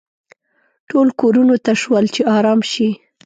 ټول کورونو ته شول چې ارام شي.